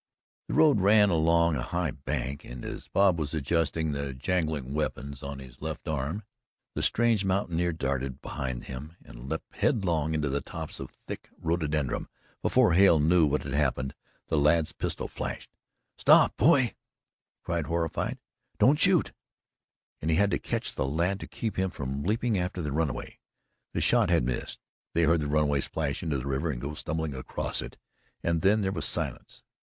The road ran along a high bank, and as Bob was adjusting the jangling weapons on his left arm, the strange mountaineer darted behind him and leaped headlong into the tops of thick rhododendron. Before Hale knew what had happened the lad's pistol flashed. "Stop, boy!" he cried, horrified. "Don't shoot!" and he had to catch the lad to keep him from leaping after the runaway. The shot had missed; they heard the runaway splash into the river and go stumbling across it and then there was silence.